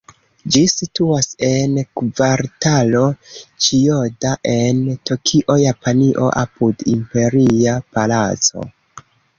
Ĝi situas en Kvartalo Ĉijoda, en Tokio, Japanio, apud Imperia Palaco.